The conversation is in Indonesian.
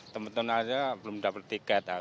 teman teman aja belum dapat tiket